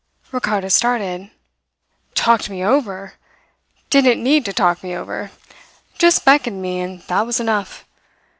Ricardo started. "Talked me over! Didn't need to talk me over. Just beckoned to me, and that was enough.